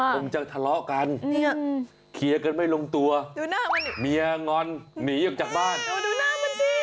มันจะทะเลาะกันเขียนกันไม่ลงตัวมีเมียงอนนีออกจากบ้านเหรอฮะ